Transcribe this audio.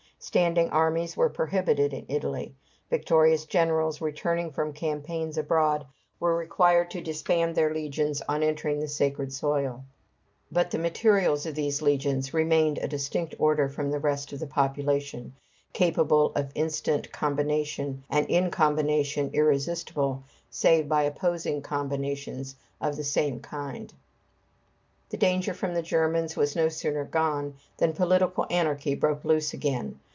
Standing armies were prohibited in Italy. Victorious generals returning from campaigns abroad were required to disband their legions on entering the sacred soil. But the materials of these legions remained a distinct order from the rest of the population, capable of instant combination, and in combination, irresistible, save by opposing combinations of the same kind. [Footnote 5: He was ranked with Romulus and Camillus and given the title of the third founder of Rome.] The danger from the Germans was no sooner gone than political anarchy broke loose again.